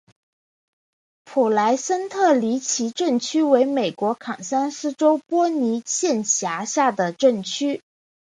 普莱森特里奇镇区为美国堪萨斯州波尼县辖下的镇区。